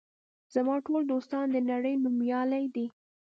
زما ټول دوستان د نړۍ نومیالي دي.